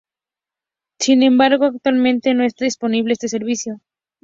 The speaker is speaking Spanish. Sin embargo actualmente no está disponible este servicio.